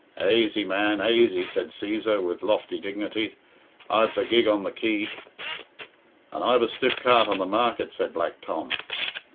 "Aisy, man, aisy," said Cæsar, with lofty dignity. "I've the gig on the quay." "And I've a stiff cart on the market," said Black Tom.